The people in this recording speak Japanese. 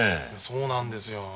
そうなんですよ。